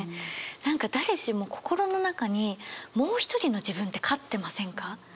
何か誰しも心の中にもう一人の自分って飼ってませんか？